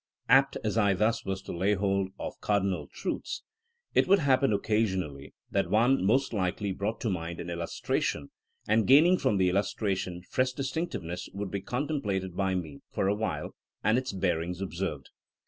Apt as I thus was to lay hold of cardinal truths, it would happen occasionally that one, most likely brought to mind by an illustration, and gaining from the illustration fresh distinc tiveness, would be contemplated by me for a while, and its bearings observed.